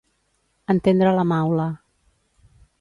Entendre la maula.